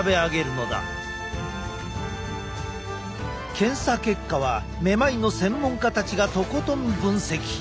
検査結果はめまいの専門家たちがとことん分析。